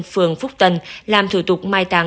phường phúc tân làm thủ tục mai táng